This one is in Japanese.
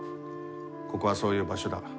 ここはそういう場所だ。